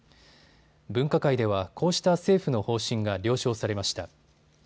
分科会ではこうした政府の方針が了承されました。